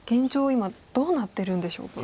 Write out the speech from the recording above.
今どうなってるんでしょうか。